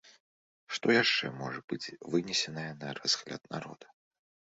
Што яшчэ можа быць вынесенае на разгляд народа?